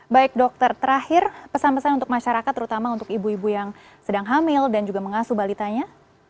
baik dokter terakhir pesan pesan untuk masyarakat terutama untuk ibu ibu yang sedang hamil dan juga mengasuh balitanya